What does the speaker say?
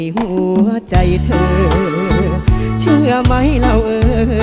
หัวใจเธอเชื่อไหมเราเออ